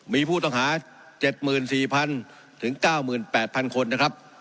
มีผู้ต้องหา๗๔๐๐๐ถึง๙๘๐๐คนนะครับ